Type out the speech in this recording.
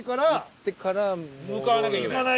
向かわなきゃいけない。